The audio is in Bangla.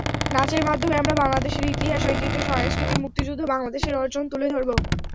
নাচের মাধ্যমে আমরা বাংলাদেশের ইতিহাস, ঐতিহ্য, সংস্কৃতি, মুক্তিযুদ্ধ, বাংলাদেশের অর্জন তুলে ধরব।